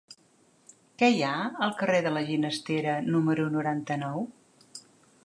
Què hi ha al carrer de la Ginestera número noranta-nou?